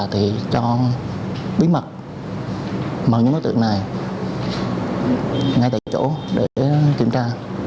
thì cho bí mật mở những đối tượng này ngay tại chỗ để kiểm tra